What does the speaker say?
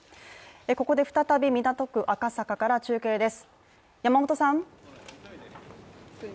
ここで再び、港区赤坂から中継です。